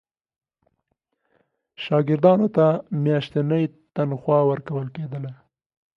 شاګردانو ته میاشتنی تنخوا ورکول کېدله.